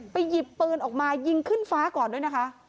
หยิบปืนออกมายิงขึ้นฟ้าก่อนด้วยนะคะ